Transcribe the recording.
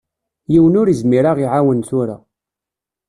Yiwen ur izmir ad ɣ-iɛawen tura.